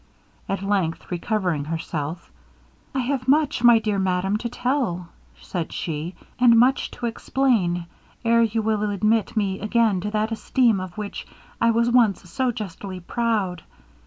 At length, recovering herself, 'I have much, my dear madam, to tell,' said she, 'and much to explain, 'ere you will admit me again to that esteem of which I was once so justly proud.